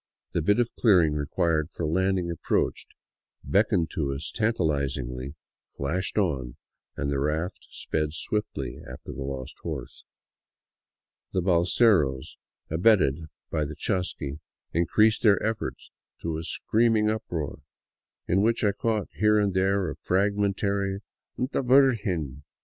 The bit of clearing required for land ing approached, beckoned to us tantalizingly, flashed on, and the raft sped swiftly after the lost horse. The balseros, abetted by the chasqui, increased their efforts to a screaming uproar, in which I caught here and there a fragmentary " 'nta Virgen